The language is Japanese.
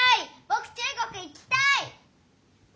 ぼく中国行きたい！